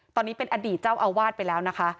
ตอนนี้เป็นอดีตเจ้าอาวาสไปแล้วนะคะ